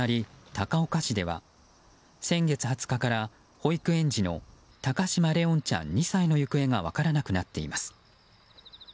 高岡市では先月２０日から保育園児の高嶋怜音ちゃん、２歳の行方が分からなくなっています。